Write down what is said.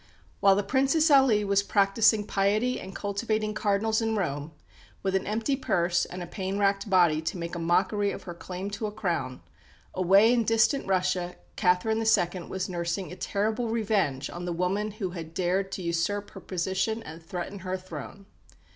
While the Princess Aly was practising piety and cultivating Cardinals in Rome, with an empty purse and a pain racked body to make a mockery of her claim to a crown, away in distant Russia Catherine II. was nursing a terrible revenge on the woman who had dared to usurp her position and threaten her throne.